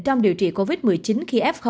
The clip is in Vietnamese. trong điều trị covid một mươi chín khi f